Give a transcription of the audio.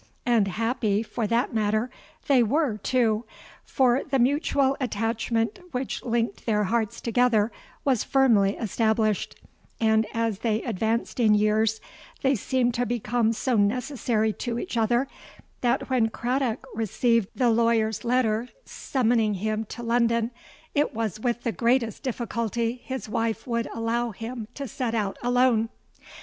And happy, for that matter, they were too; for the mutual attachment which linked their hearts together, was firmly established; and, as they advanced in years, they seemed to become so necessary to each other, that when Craddock received the lawyer's letter summoning him to London, it was with the greatest difficulty his wife would allow him to set out alone.